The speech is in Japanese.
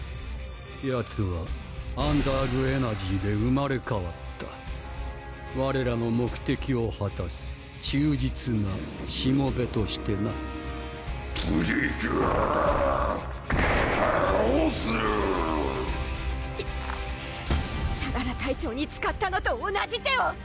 ヤツはアンダーグ・エナジーで生まれかわったわれらの目的をはたす忠実なしもべとしてなプリキュアたおすシャララ隊長に使ったのと同じ手を！